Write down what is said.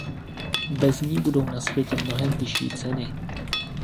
Bez ní budou na světě mnohem vyšší ceny.